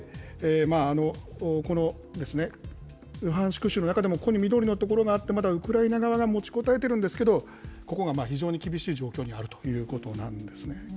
このルハンシク州の中でも、ここに緑の所があって、まだウクライナ側がもちこたえているんですけど、ここが非常に厳しい状況にあるということなんですね。